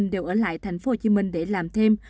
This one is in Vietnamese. đều ở lại tp hcm để làm thêm